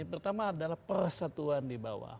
pertama adalah persatuan di bawah